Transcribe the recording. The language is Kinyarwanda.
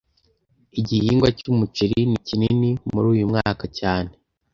Igihingwa cy'umuceri ni kinini muri uyu mwaka cyane